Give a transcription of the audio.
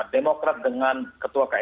demokrat dengan ketua ksb